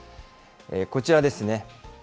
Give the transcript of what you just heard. こちらですね。